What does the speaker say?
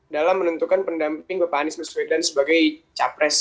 dalam menentukan pendamping bapak anies baswedan sebagai capres